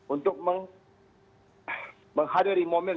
untuk menghadiri momen